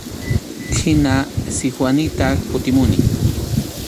Hina Sikwanita kutimuni.